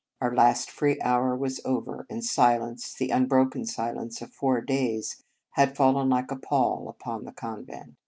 Our last free hour was over, and silence, the un broken silence of four days, had fallen like a pall upon the convent.